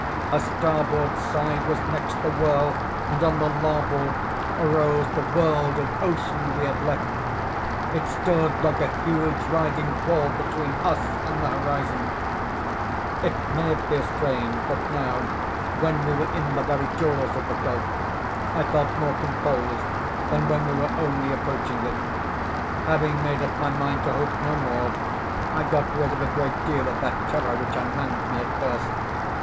Her starboard side was next the whirl, and on the larboard arose the world of ocean we had left. It stood like a huge writhing wall between us and the horizon. "It may appear strange, but now, when we were in the very jaws of the gulf, I felt more composed than when we were only approaching it. Having made up my mind to hope no more, I got rid of a great deal of that terror which unmanned me at first.